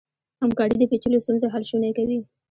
همکاري د پېچلو ستونزو حل شونی کوي.